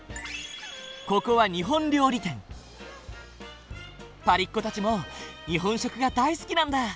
ここはパリっ子たちも日本食が大好きなんだ。